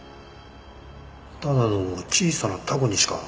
ただの小さなタコにしか。